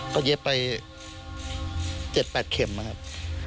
ก็เย็บไป๗๘เข็มนะครับ